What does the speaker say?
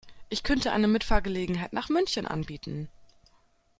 Ich könnte eine Mitfahrgelegenheit nach München anbieten